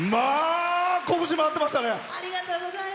こぶし回ってましたね！